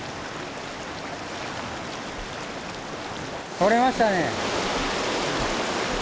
とれましたね。